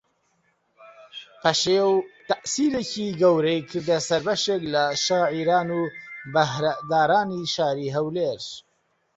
پەشێو تەئسیرێکی گەورەی کردە سەر بەشێک لە شاعیران و بەھرەدارانی شاری ھەولێر